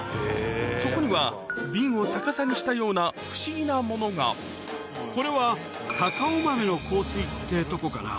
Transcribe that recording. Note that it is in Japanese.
そこには瓶を逆さにしたような不思議なものがこれは。ってとこかな。